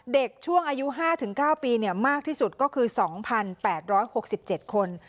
เด็กช่วงอายุ๕๙ปีมากที่สุดก็คือ๒๘๖๗คน